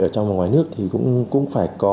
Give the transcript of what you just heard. ở trong và ngoài nước thì cũng phải có